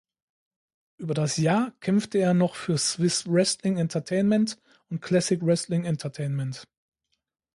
Über das Jahr kämpfte er noch für Swiss Wrestling Entertainment und Classic Wrestling Entertainment.